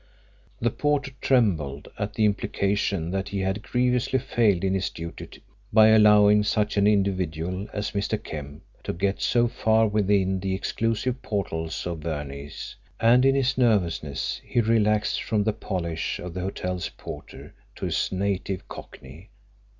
The porter trembled at the implication that he had grievously failed in his duty by allowing such an individual as Mr. Kemp to get so far within the exclusive portals of Verney's, and in his nervousness he relaxed from the polish of the hotel porter to his native cockney.